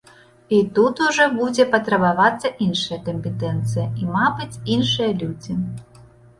І тут ужо будзе патрабавацца іншая кампетэнцыя, і, мабыць, іншыя людзі.